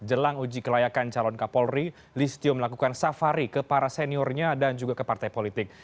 jelang uji kelayakan calon kapolri listio melakukan safari ke para seniornya dan juga ke partai politik